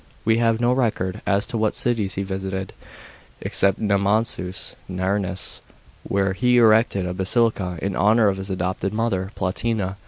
We have no record as to what cities he visited, except Nemausns (Nirnes), where he erected a basilica in honour of his adopted mother Plotina.